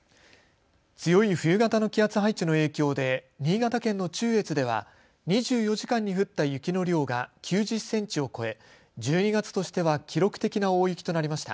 強い冬型の気圧配置の影響で新潟県の中越では２４時間に降った雪の量が９０センチを超え１２月としては記録的な大雪となりました。